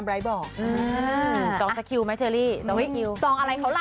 บรายบอกอืมจองสักคิวไหมเชอรี่ต้องไม่คิวจองอะไรเขาล่ะ